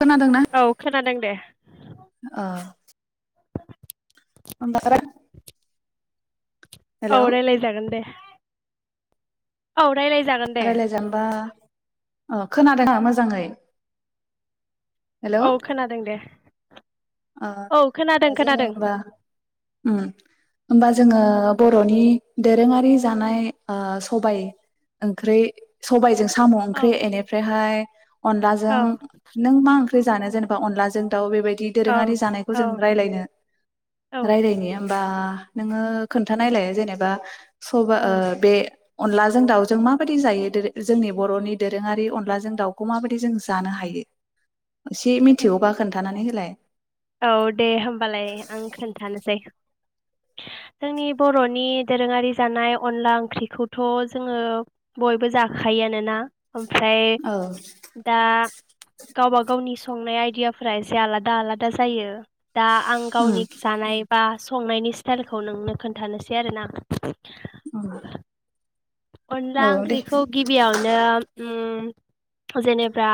[inaudible] औ खोनादों दे अ [unintelligible] औ हेलौ रायलाय जागोन दे औ रायलायजागोन दे रायलाय जानबा अ खोनादों ना मोजाङै? हेलौ औ खोनादों दे ओ औ खोनादों जोङो खोनादों होमबा उम होमबा जोङो बरनि दोरोङारि जानाय ओ सबाय ओंख्रै सबायजों साम औ ओंख्रि एनिफ्रायहाय अनलाजों औ नों मा ओंख्रि जानो जेनेबा अनलाजों दाउ बेबायदि औ दोरोङारि जानायखौ जों औ रायज्लायनो औ रायलायनि होमबा नोङो खोन्थानायलाय जेनेबा सबा औ ओ बे अनलाजों दाउजों माबायदि जायो दोरो जोंनि बरनि दोरोङारि अनलाजों दाउखौ माबायदि जों जानो हायो एसे मिथिगौबा खोनथानानै हो फ्ल [unintelligible] औ दे होमबालाय आं खोनथानोसै जोंनि बर'नि दोरोङारि जानाय अनला ओंख्रिखौथ' जोङो बयबो जाखायोआानोना? ओमफ्राय औ दा गावबा गावनि संनाय आइदियाफोरा एसे आलादा आलादा दा जायो दा आं उम गावनि जानाय बा संनायनि स्टाइलखौ नोंनो खोन्थानोसै आरोना औ अनला दे ओंख्रिखौ गिबियावनो जेनेबा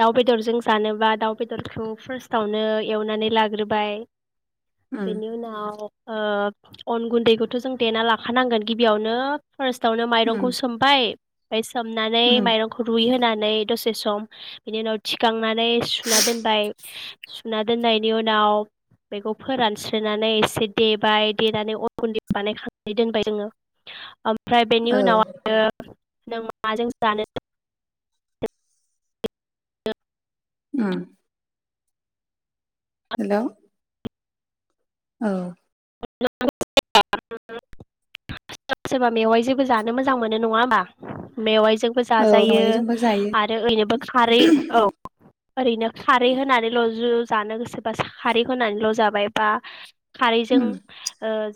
दाउ बेदरजों जानोबा दाउ बेदरखौ फार्स्टावनो एवनानै लाग्रोबाय उम बेनि उनाव अ अन गुन्दैखौथ' जों देना लाखानांगोन गिबियावनो फरेस्टावनो उम माइरंखौ सोमबाय [unintelligible] सोमनानै उम माइरंखौ रुइ होनोनानै दसे सम बेनि उनाव थिखांनानै सुना दोनबाय सुना दोनबाय उनाव फोरानस्रोनानै एसे देबाय देनानै अन गुन्दै बानाय खांनानै दोनबाय जोङो ओमफ्राय बेनि औ उनाव आरो नों माजों जानो? ओम हेल' औ ब [unintelligible] सोरबा मेवाइ जेबो जानो मोजां मोनो नङा होमबा? मेव जोंबो औ जाजायो मेवाइजोंबो जायो आरो ओरैनोबो खारै औ ओरैनो खारै होनानैल' ज जानो गोसोबा खारै होनानैल' जाबाय बा खारैजों उम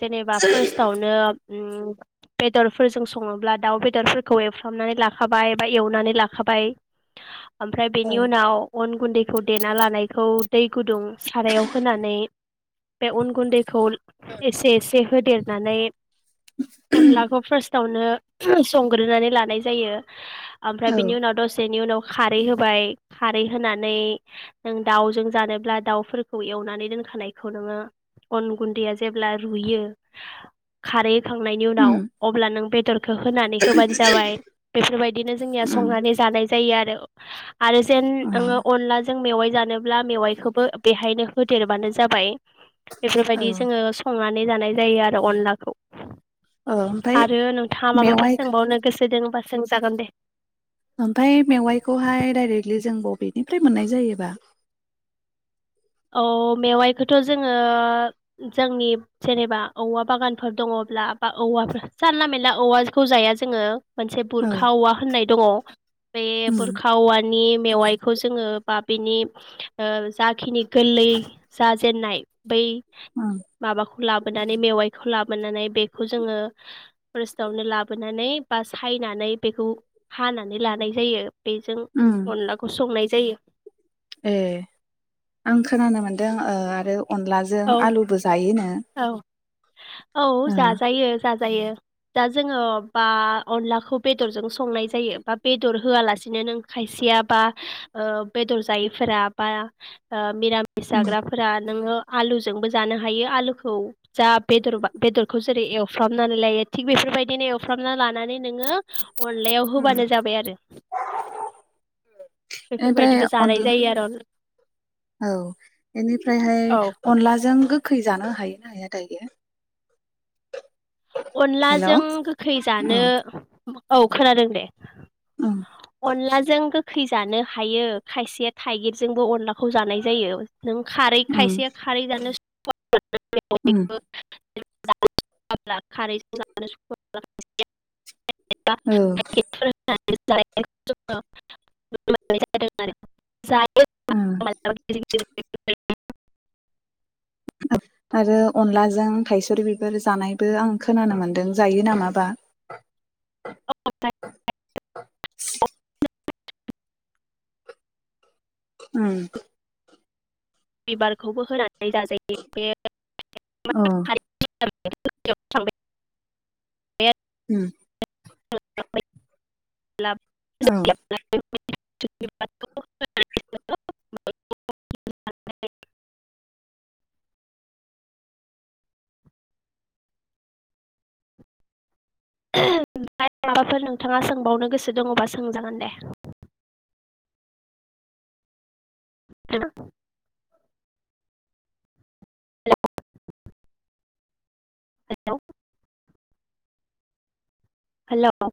जेनेबा फार्स्टआवनो बेदरफोरजों सङोब्ला दाउ बेदरफोरखौ एवफ्रामनानै लाखाबाय बा एवनानै लाखाबाय ओमफ्राय औ बेनि उनाव अन गुन्दैखौ देना लानायखौ दै गुदुं सारायाव होनानै बे उन गुन्दैखौ [unintelligible] एसे एसे होदेरनानै अनलाखौ फार्स्टआवनो संग्रोनानै लानाय जायो ओमफ्राय औ बिनि उनाव दसेनि उनाव खारै होबाय खारै होनानै नों दाउजों जानोब्ला दाउफोरखौ एवनानै दोनखानायखौ नोङो अन गुन्दैया जेब्ला रुयो खार खांनायनि उम उनाव अब्ला नों बे खो होनानै होबानो जाबाय बेफोरबायदिनो जोंनिया उम संनानै जानाय ज जायो आरो आरो जेन औ नोङो अनला ज जों मेवाइ जानोब्ला मेवाइखौबो बेहायनो होदेरबानो जाबाय। बेफोरबायदि औ जोङो संना नै जानाय जायो आरो अनलाखौ। ओमफ्राय आरो नोंथाङा माबाफोर मेवाइ सोंबावनो गोसो दोङोबा सों जागोन दे ओमफाय मेवाइखौहाय डाइरेक्टलि जों बबेनिफ्राय मोननाय जायोबा? औ मेवाइखौथ' जोङो जोंनि जेनेबा औवा बागानफोर दङब्ला बा औवाफोर जानला मोनला औवाखौ जाया जोङो। मोनसे औ बुरखा औवा होननाय दङ बे उम बुरखा औवानि मेवाइखौ जोङो बा बिनि ओ जाखिनि गोरलै जाजेननाय बै ओं माबाख लाबोनानै मेवाइखौ लाबोनानै बेखौ जोङो फार्स्टआवनो लाबोनानै बा सायनानै बेखौ हानानै लानाय जायो। बेजों अनलाखौ संनाय जायो। एह आं खोनानो मोनदों ओ आरो अनलाजों औ आलुबो जायोनो? औ औ ओ जाजायो जाजायो। दा जोङो बा अनलाखौ बेदरजों संनाय जायो बा बेदर होआलासिनो नों खायसेया बा ओ बेदर जायैफोरा बा ओ मिरामिस उम जाग्राफोरा नोङो आलुजोंबो जानो हायो आलुखौ जा बेदरबा बेदरखौ जेरै एवफ्रामनानै लायो थिग बेफोरबायदिनो एवफ्रामना लानानै नोङो अनलायाव होबानो जाबाय आरो एनिफ्राय बेफोरबायदिबो जानाय जायो आरो अन- अनला औ एनिफ्रायहाय औ अनलाजों गोखै जानो हायो ना हाया दायो? हेल' औ अनलाजों गोखै जानो उम औ खोनादों दे अलाजों गोख खै जानो हायो खायसेया थाइगिरजोंबो अनलाखौ जानाय जायो। नों खारै उम खायसे खारै जानो स उम [unintelligible] [unintelligible] [unintelligible] औ [unintelligible] [unintelligible] उम [unintelligible] आरो अनलाजों थायसुरि बिबार जानायबो आं खोनानो मोनदों जायो नामाबा औ [unintelligible] ओम बिबारखौबो होनानै जाजायो बे अ [unintelligible] थांबाय [unintelligible] [inaudible] औ [unintelligible] [unintelligible] [unintelligible] ओमफ्राय माबाफोर नोंथाङा सोंबावनो गोसो दङबा सोंजागोन दे [unintelligible] हेलौ हेल